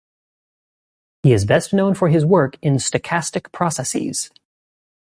He is best known for his work on stochastic processes.